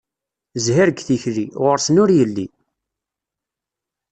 Zzhir deg tikli, ɣur-sen ur yelli.